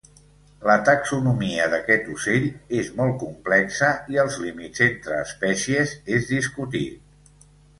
La taxonomia d'aquest ocell és molt complexa i els límits entre espècies és discutit.